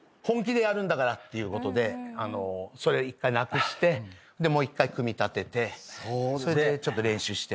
ていうことでそれ１回なくしてもう１回組み立ててそれでちょっと練習して。